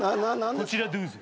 こちらどうぞ。